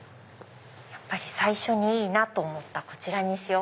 やっぱり最初にいいなと思ったこちらにしよう。